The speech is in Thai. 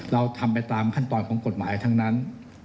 เราทำไปตามขั้นตอนของกฎหมายทั้งนั้น